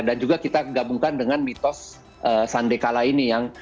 dan juga kita gabungkan dengan mitos sandekala ini